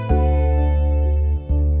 aku mau ke sana